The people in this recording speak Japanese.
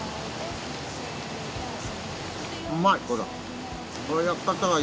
うまい。